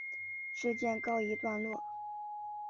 事件告一段落。